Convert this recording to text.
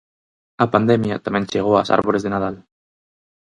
A pandemia tamén chegou ás árbores de Nadal.